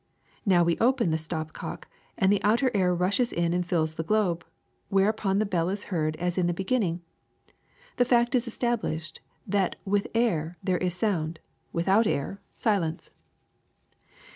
Now we open the stop cock, and the outer air rushes in and fills the globe, whereupon the bell is heard as in the begin ning. The fact is established that with air there is sound ; without air, silence.